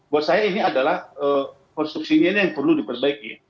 buat saya ini adalah konstruksinya ini yang perlu diperbaiki